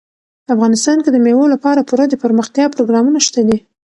افغانستان کې د مېوو لپاره پوره دپرمختیا پروګرامونه شته دي.